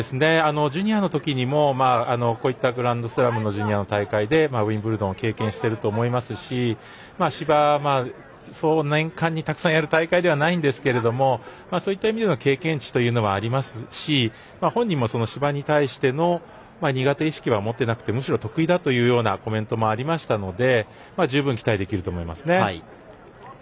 ジュニアの時にもこういったグランドスラムのジュニアの大会でウィンブルドンを経験していると思いますし芝は年間にたくさんやる大会ではないんですがそういった意味での経験値というのはありますし本人も芝に対しての苦手意識は持ってなくてむしろ得意だというコメントもありましたので十分、期待できると思いますね。